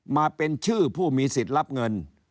มาเป็นชื่อผู้มีสิทธิ์รับเงิน